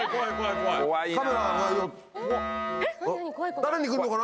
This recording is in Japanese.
誰に来るのかな？